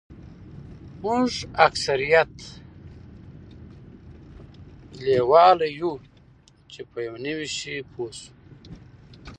موږ اکثریت لیواله یوو چې په یو نوي شي پوه شو